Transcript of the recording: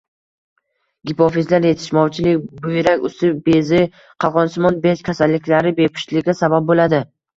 Gipofizar yetishmovchilik, buyrak usti bezi, qalqonsimon bez kasalliklari bepushtlikka sabab bo‘ladi.